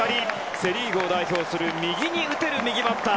セ・リーグを代表する右に打てる右バッター